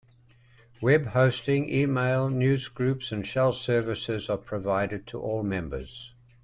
Web hosting, email, newsgroups, and shell services are provided to all members.